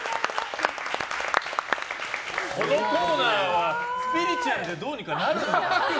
このコーナーはスピリチュアルでどうにかなるんだな。